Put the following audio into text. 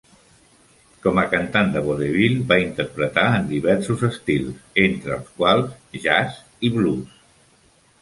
Com a cantant de vodevil va interpretar en diversos estils, entre els quals jazz i blues.